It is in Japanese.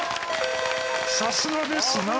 さすがですなあ。